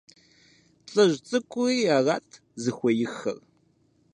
ЛӀыжь цӀыкӀури арат зыхуеиххэр.